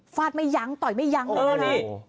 ฟาดไม่ย้ำต่อยไม่ย้ำดูแล้ว